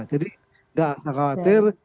jadi tidak usah khawatir